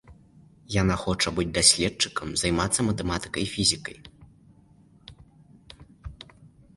Яна хоча быць даследчыкам, займацца матэматыкай і фізікай.